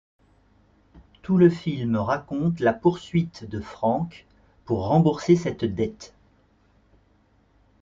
Tout le film raconte la poursuite de Frank pour rembourser cette dette.